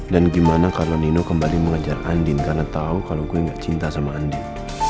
dan gimana kalau nino kembali mengajar andin karena tau kalau gue gak cinta sama andin